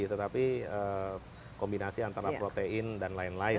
tetapi kombinasi antara protein dan lain lain